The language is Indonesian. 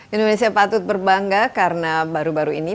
indonesia patut berbangga karena baru baru ini